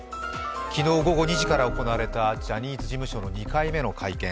昨日２時から行われたジャニーズ事務所の２回目の会見。